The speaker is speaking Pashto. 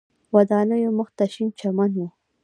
ودانیو مخ ته شین چمن و.